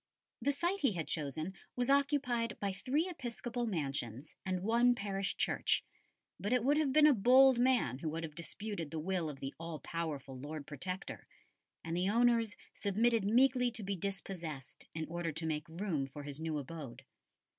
The site he had chosen was occupied by three episcopal mansions and one parish church; but it would have been a bold man who would have disputed the will of the all powerful Lord Protector, and the owners submitted meekly to be dispossessed in order to make room for his new abode.